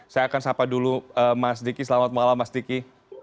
saya akan sapa dulu mas diki selamat malam mas diki